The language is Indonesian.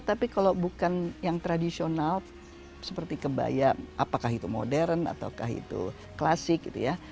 tapi kalau bukan yang tradisional seperti kebaya apakah itu modern ataukah itu klasik gitu ya